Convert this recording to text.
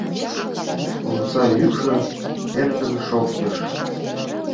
Омса йӱкшӧ эркын шоктыш;